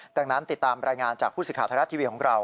ดังนั้นติดตามรายงานจากผู้สื่อข่าวไทยรัฐทีวีของเรา